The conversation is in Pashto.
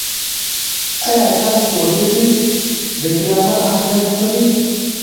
ایا تاسې پوهېږئ د ګرامر اهمیت څه دی؟